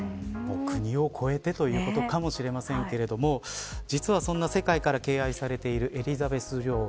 国を超えてということかもしれませんが実はそんな世界から敬愛されているエリザベス女王